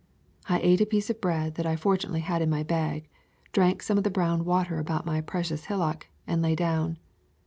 I ate a piece of bread that I fortunately had in my bag, drank some of the brown water about my precious hillock, and lay down.